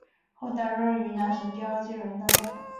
后担任云南省第二届人大代表。